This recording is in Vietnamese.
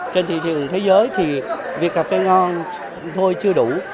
trên thị trường thế giới thì việc cà phê ngon thôi chưa đủ